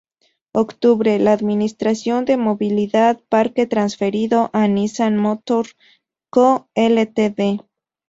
Octubre: La administración de Movilidad Parque transferido a Nissan Motor Co., Ltd.